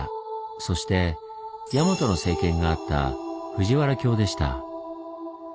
そして大和の政権があった藤原京でした。